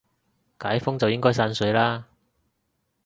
解封就應該散水啦